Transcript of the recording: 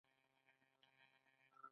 د ډوډۍ لپاره به په ځمکه یوه غالۍ اوارېده.